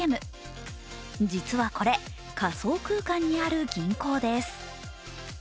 実はこれ、仮想空間にある銀行です。